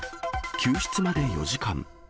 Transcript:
救出まで４時間。